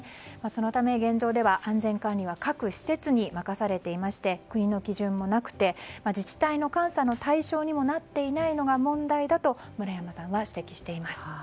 そのため、現状では安全管理は各施設に任されていまして国の基準もなくて自治体の監査の対象にもなっていないのが問題だと村山さんは指摘しています。